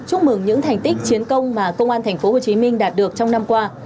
chúc mừng những thành tích chiến công mà công an tp hcm đạt được trong năm qua